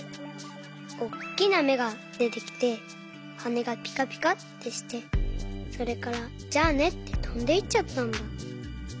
おっきなめがでてきてはねがぴかぴかってしてそれから「じゃあね」ってとんでいっちゃったんだ。